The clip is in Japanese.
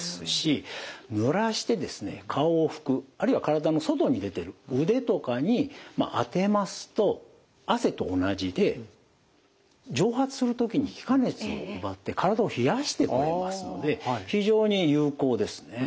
あるいは体の外に出てる腕とかに当てますと汗と同じで蒸発する時に気化熱を奪って体を冷やしてくれますので非常に有効ですね。